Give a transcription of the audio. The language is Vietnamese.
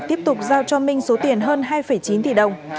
tiếp tục giao cho minh số tiền hơn hai chín tỷ đồng